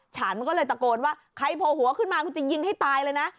ฉันก็เลยตะโกนว่าใครโผล่หัวขึ้นมาคุณจะยิงให้ตายเลยนะ